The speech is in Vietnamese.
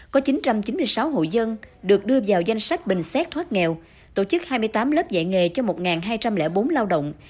có chín trăm chín mươi sáu hộ dân được đưa vào danh sách bình xét thoát nghèo tổ chức hai mươi tám lớp dạy nghề cho một hai trăm linh bốn lao động